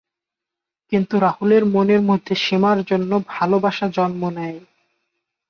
কিন্তু রাহুলের মনের মধ্যে সীমার জন্য ভালোবাসা জন্ম নেয়।